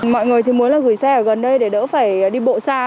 mọi người thì muốn là gửi xe ở gần đây để đỡ phải đi bộ xa